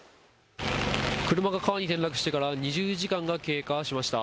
車が川に転落してから２０時間が経過しました。